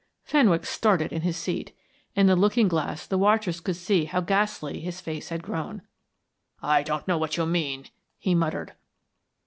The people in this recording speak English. Fenwick started in his seat; in the looking glass the watchers could see how ghastly his face had grown. "I don't know what you mean," he muttered.